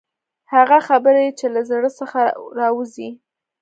هغه خبرې چې له زړه څخه راوځي.